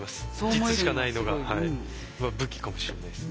実しかないのが武器かもしれないです。